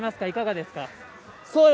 いかがですか。